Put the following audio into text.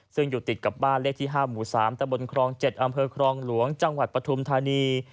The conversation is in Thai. ซึ่งอยู่ติดกับบ้านเลขที่๕หมู่๓ตะบนครอง๗อำเภอครองหลวงจังหวัดปฐุมธานี